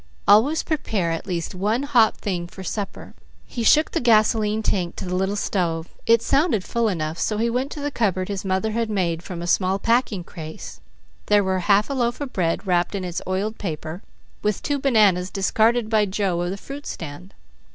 "Always prepare at least one hot thing for supper." He shook the gasoline tank to the little stove. It sounded full enough, so he went to the cupboard his mother had made from a small packing case. There were half a loaf of bread wrapped in its oiled paper, with two bananas discarded by Joe of the fruit stand.